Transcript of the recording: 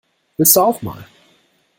Willst du auch mal?